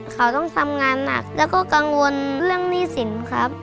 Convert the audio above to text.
เขาต้องทำงานหนักแล้วก็กังวลเรื่องหนี้สินครับ